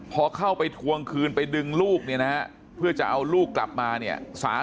พอเข้าไปทวงคืนไปดึงลูกเนี่ยนะฮะเพื่อจะเอาลูกกลับมาเนี่ย